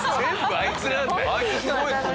あいつすごいですね。